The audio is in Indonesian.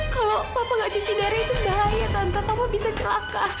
kalau papa gak cuci darah itu bahaya tanpa bisa celaka